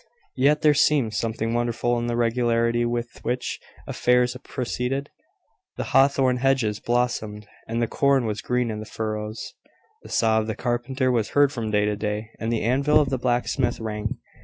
Yet there seemed something wonderful in the regularity with which affairs proceeded. The hawthorn hedges blossomed, and the corn was green in the furrows: the saw of the carpenter was heard from day to day, and the anvil of the blacksmith rang.